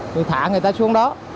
thì thả người ta xuống đó